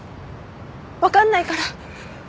分かんないから。